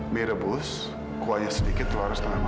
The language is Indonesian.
mie rebus kuahnya sedikit lu harus tengah makan